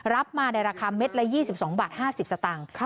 รับมาในราคาเม็ดละ๒๒บาท๕๐สตางค์